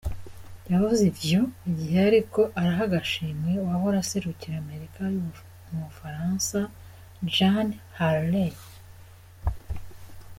Yavuze ivyo igihe yariko araha agashimwe uwahora aserukira Amerika mu BufaransaJane Hartley.